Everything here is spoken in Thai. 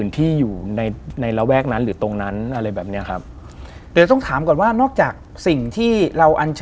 ที่อยู่แบบซ้อนกับเรา